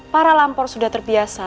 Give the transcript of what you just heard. para lampor sudah terbiasa